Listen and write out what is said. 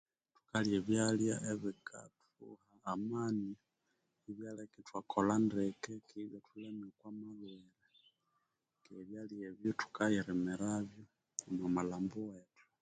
Thukalya ebyalya ebikathuha amani, ibyaleka ithwa kolha ndeke, ....no sound....ebyalya ebyo thukatirimirabyo omu malhambo wethu